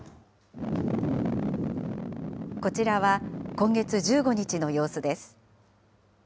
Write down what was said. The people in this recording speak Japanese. こちらは今月１５日の様子です。